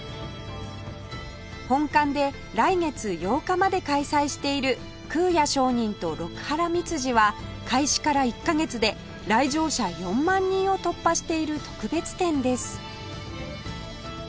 本館で来月８日まで開催している「空也上人と六波羅蜜寺」は開始から１カ月で来場者４万人を突破している特別展です